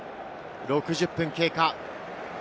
６０分経過。